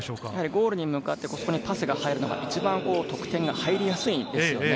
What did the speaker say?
ゴールに向かって、そこにパスが入るのが一番得点が入りやすいんですよね。